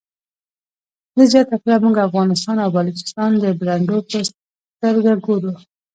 ده زیاته کړه موږ افغانستان او بلوچستان د برنډو په سترګه ګورو.